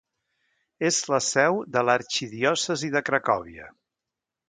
És la seu de l'arxidiòcesi de Cracòvia.